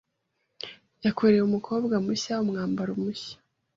Yakoreye umukobwa mushya umwambaro mushya .